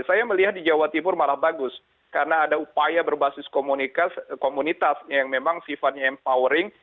saya melihat di jawa timur malah bagus karena ada upaya berbasis komunitas yang memang sifatnya empowering